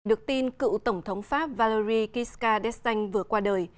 được tin cựu tổng thống pháp valéry giscard d estaing vừa qua đời